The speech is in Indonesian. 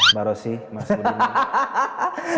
mbak rosi mas budi